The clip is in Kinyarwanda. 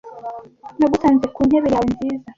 nagusanze ku ntebe yawe nziza